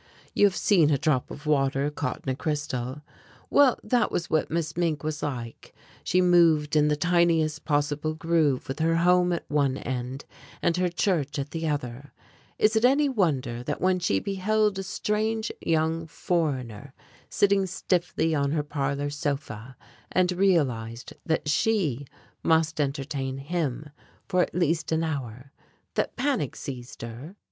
You have seen a drop of water caught in a crystal? Well, that was what Miss Mink was like. She moved in the tiniest possible groove with her home at one end and her church at the other. Is it any wonder that when she beheld a strange young foreigner sitting stiffly on her parlor sofa, and realized that she must entertain him for at least an hour, that panic seized her?